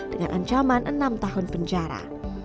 dengan ancaman enam tahun penjara